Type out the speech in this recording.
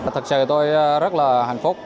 thật sự tôi rất là hạnh phúc